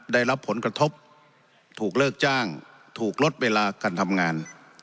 ได้รับผลกระทบถูกเลิกจ้างถูกลดเวลาการทำงาน